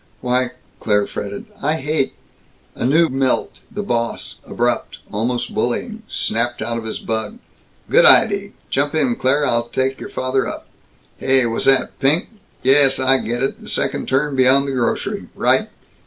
"Why," Claire fretted, "I hate " A new Milt, the boss, abrupt, almost bullying, snapped out of his bug. "Good idee. Jump in, Claire. I'll take your father up. Heh, whasat, Pink? Yes, I get it; second turn beyond grocery. Right.